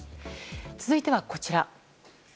続いてはこちら。